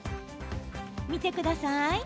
見てください。